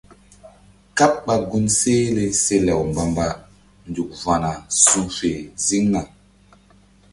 Káɓ ɓa gun sehle se law mbamba nzuk va̧na su fe ziŋna.